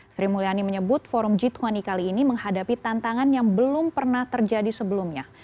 sri mulyani menyebut forum g dua puluh kali ini menghadapi tantangan yang belum pernah terjadi sebelumnya